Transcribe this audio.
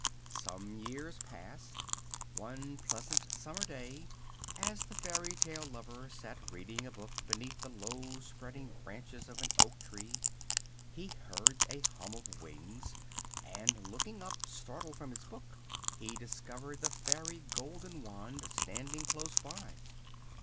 Some years passed. One pleasant summer day, as the fairy tale lover sat reading a book beneath the low spreading branches of an oak tree, he heard a hum of wings, and looking up startled from his book, he discovered the Fairy Goldenwand standing close by.